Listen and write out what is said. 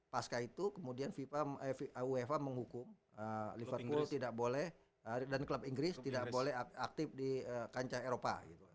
pasca itu kemudian uefa menghukum liverpool tidak boleh dan klub inggris tidak boleh aktif di kancah eropa